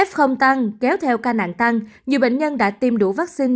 f không tăng kéo theo ca nạn tăng nhiều bệnh nhân đã tiêm đủ vaccine